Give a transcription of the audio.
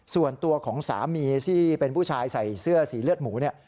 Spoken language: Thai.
ส่วนตัวของสามีที่เป็นผู้ชายใส่เสื้อสีเลือดหมูเนี่ย